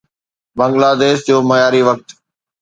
بنگلاديش جو معياري وقت